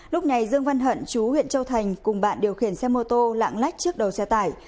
lúc này dương văn hận chú huyện châu thành cùng bạn điều khiển xe mô tô lạng lách trước đầu xe tải